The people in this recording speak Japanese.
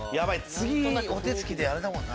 次お手つきであれだもんな。